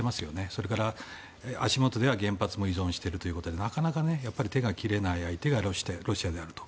それから足元では原発も依存しているのでなかなか手が切れない相手がロシアであると。